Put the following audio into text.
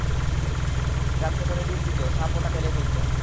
কাক যখনই ডিম দিত, সাপ ওটা গিলে ফেলতো।